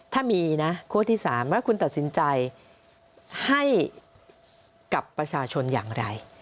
ถ้ามีนะคั่วที่๓ว่าคุณตัดสินใจให้กับประชาชนอย่างไร